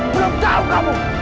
belum tahu kamu